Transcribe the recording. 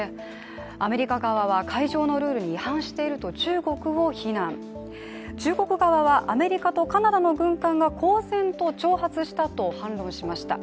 アメリカ側は海上のルールに違反していると中国を非難、中国側はアメリカとカナダの軍艦が交戦と挑発したと反発しました。